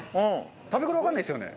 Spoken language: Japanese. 食べ頃わかんないですよね。